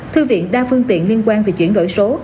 thư viện đa phương tiện liên quan về chuyển đổi số